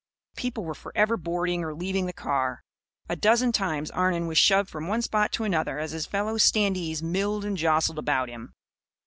People were forever boarding or leaving the car. A dozen times, Arnon was shoved from one spot to another as his fellow standees milled and jostled about him.